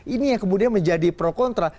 ini yang kemudian menjadi pro kontra